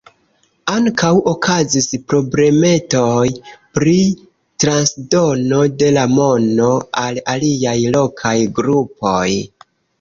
Ankaŭ okazis problemetoj pri transdono de la mono al aliaj lokaj grupoj.